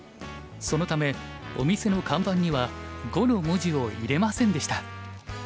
そのためお店の看板には「碁」の文字を入れませんでした。